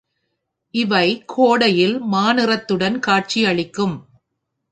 இவை கோடையில் மாநிறத்துடன் காட்சி அளிக்கும்.